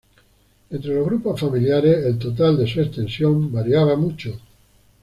Entre los grupos familiares, el total de sus extensiones variaba mucho.